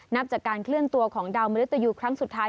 นับจากการเคลื่อนตัวของดาวมริตยูครั้งสุดท้าย